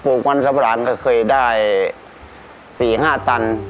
ปลูกวันสับหลานก็เคยได้๔๕ตัน